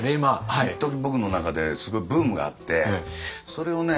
一時僕の中ですごいブームがあってそれをね